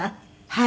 はい。